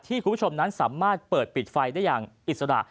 คุณผู้ชมนั้นสามารถเปิดปิดไฟได้อย่างอิสระ